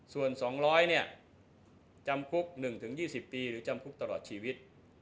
ส่วน๒๐๐เนี่ยจำคุก๑๒๐ปีหรือจำคุกตลอดชีวิต